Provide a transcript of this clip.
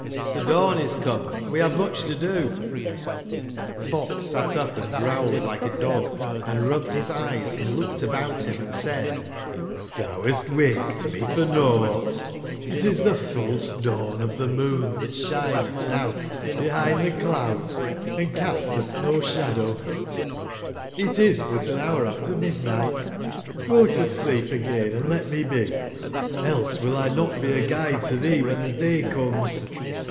the dawn is come, and we have much to do^'j^f ox sat up and growled like a dog, & rub bed his eyes and looked about him and said :'* Xlbou hast waked me for nought: it is the false dawn of the moon that shineth now behind the clouds and casteth no shadow ; it is butan hour af termidnight. Go to sleep again, and let me be, else will X not be a guide to thee when the day comes."